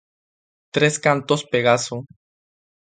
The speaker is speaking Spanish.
Tres Cantos Pegaso.